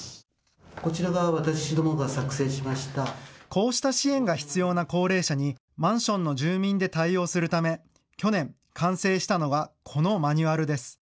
こうした支援が必要な高齢者にマンションの住民で対応するため去年、完成したのがこのマニュアルです。